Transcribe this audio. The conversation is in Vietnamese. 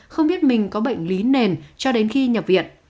không biết mình có bệnh lý nền cho đến khi nhập viện